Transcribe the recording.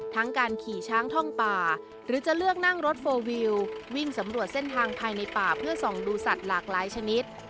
การขี่ช้างท่องป่าหรือจะเลือกนั่งรถโฟลวิววิ่งสำรวจเส้นทางภายในป่าเพื่อส่องดูสัตว์หลากหลายชนิด